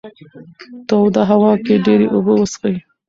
توده هوا کې ډېرې اوبه وڅښئ.